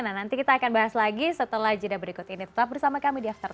nah nanti kita akan bahas lagi setelah jeda berikut ini tetap bersama kami di after sepuluh